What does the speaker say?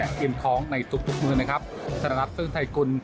กินของในศุกร์ทุกเมืองนะครับสนับสื่อไทยคุณ